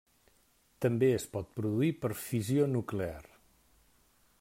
També es pot produir per fissió nuclear.